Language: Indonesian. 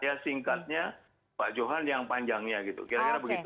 ya singkatnya pak johan yang panjangnya gitu kira kira begitu